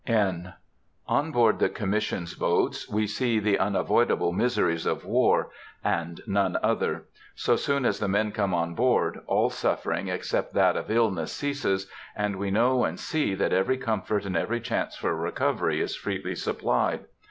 (N.) On board the Commission's boats we see the unavoidable miseries of war, and none other. So soon as the men come on board, all suffering except that of illness ceases, and we know and see that every comfort and every chance for recovery is freely supplied.